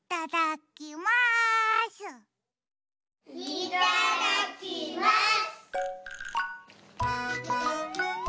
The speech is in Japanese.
いただきます！